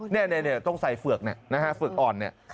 นี่ต้องใส่เฝือกเนี่ยนะฮะเฝือกอ่อนเนี่ย